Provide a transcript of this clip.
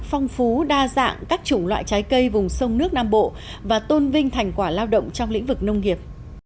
phong phú đa dạng các chủng loại trái cây vùng sông nước nam bộ và tôn vinh thành quả lao động trong lĩnh vực nông nghiệp